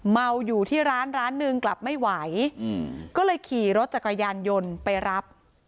เมาอยู่ที่ร้านร้านหนึ่งกลับไม่ไหวก็เลยขี่รถจักรยานยนต์ไปรับ